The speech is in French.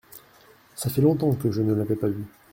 Ça fait longtemps que je ne l’avais pas vue.